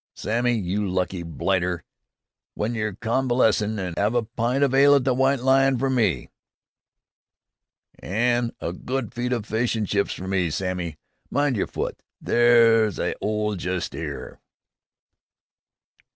"Sammy, you lucky blighter! W'en yer convalescin', 'ave a pint of ale at the W'ite Lion fer me." "An' a good feed o' fish an' chips fer me, Sammy. Mind yer foot! There's a 'ole just 'ere!"